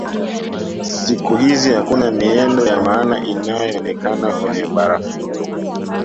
Siku hizi hakuna miendo ya maana inayoonekana kwenye barafuto